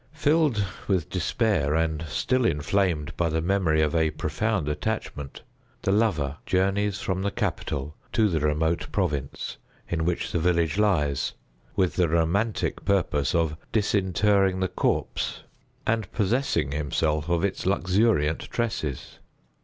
Filled with despair, and still inflamed by the memory of a profound attachment, the lover journeys from the capital to the remote province in which the village lies, with the romantic purpose of disinterring the corpse, and possessing himself of its luxuriant tresses.